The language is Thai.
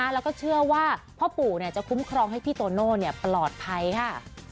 แล้วก็เชื่อว่าพ่อปู่จะคุ้มครองให้พี่โตโน่ปลอดภัยค่ะ